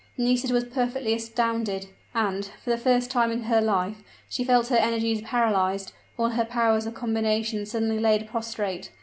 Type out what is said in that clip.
Nisida was perfectly astounded; and, for the first time in her life, she felt her energies paralyzed all her powers of combination suddenly laid prostrate.